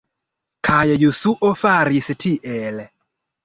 Kaj Josuo faris tiel.